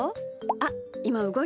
あっいまうごいた。